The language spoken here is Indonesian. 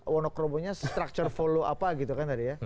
wono krobonya structure follow apa gitu kan tadi ya